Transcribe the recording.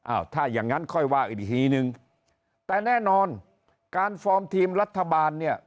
ถ้าอย่างงั้นค่อยว่ากันอีกทีนึงแต่แน่นอนการฟอร์มทีมรัฐบาลเนี่ย